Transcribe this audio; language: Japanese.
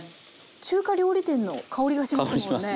中華料理店の香りがしますもんね